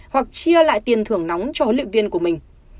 hoặc chia lại tiền thưởng nóng cho huy viên của mình